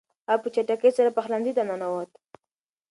هغه په چټکۍ سره پخلنځي ته ننووت.